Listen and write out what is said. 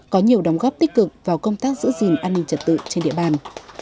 có nhiều đóng góp tích cực vào công tác giữ gìn an ninh trật tự trên địa bàn